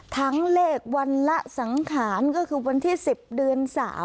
ทั้งเลขวันละสังขารก็คือวันที่๑๐เดือน๓